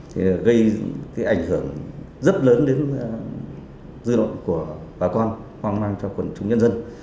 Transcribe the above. thì gây cái ảnh hưởng rất lớn đến dư luận của bà con hoang mang cho quần chúng nhân dân